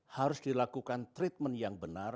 harus dilakukan treatment yang benar